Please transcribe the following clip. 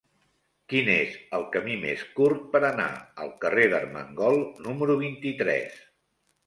Quin és el camí més curt per anar al carrer d'Armengol número vint-i-tres?